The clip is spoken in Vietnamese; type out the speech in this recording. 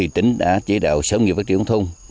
tỉnh đã chỉ đạo sở nghiệp phát triển thông